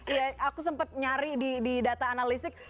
iya aku sempat nyari di data analistik